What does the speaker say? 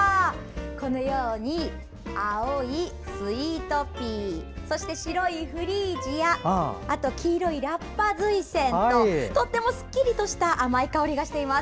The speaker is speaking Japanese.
このように青いスイートピー白いフリージアとあと、黄色いラッパズイセンととってもすっきりとした甘い香りがしています。